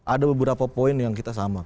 ada beberapa poin yang kita sama